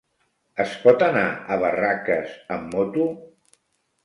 Es pot anar a Barraques amb moto?